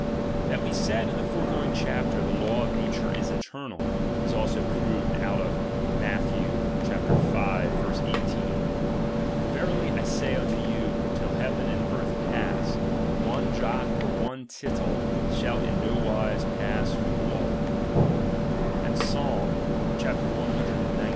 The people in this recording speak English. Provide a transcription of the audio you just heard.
That we said in the foregoing chapter, the i_ law of nature is eternal, is also proved out of Matth. |j V. 1 8 : Verily I say unto you, till heaven and earth pass, one jot or one tittle shall in no wise pass from the law; and Psalm cxix.